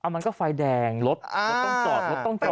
มันก็ไฟแดงรถรถต้องจอดรถต้องจอด